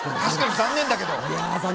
確かに残念だけど。